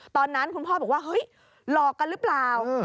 ตอนนั้นคุณพ่อบอกว่าเฮ้ยหลอกกันหรือเปล่า